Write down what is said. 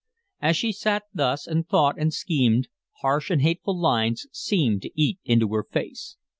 As she sat thus, and thought, and schemed, harsh and hateful lines seemed to eat into her face.